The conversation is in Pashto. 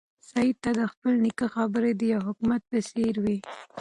سعید ته د خپل نیکه خبرې د یو حکمت په څېر وې.